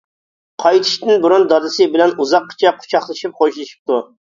قايتىشتىن بۇرۇن دادىسى بىلەن ئۇزاققىچە قۇچاقلىشىپ خوشلىشىپتۇ.